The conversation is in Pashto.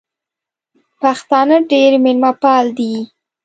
پښتانه ډېر مېلمه پال دي